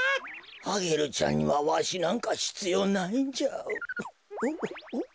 アゲルちゃんにはわしなんかひつようないんじゃ。